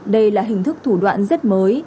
đây là hình thức thủ đoạn rất mới